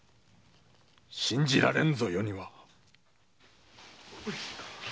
信じられんぞ余には！